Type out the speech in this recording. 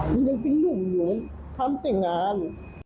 มันยังเป็นนุ่มอยู่ทำแต่งงาน